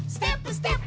ステップ！